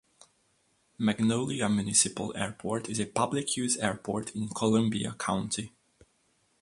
Magnolia Municipal Airport is a public-use airport in Columbia County.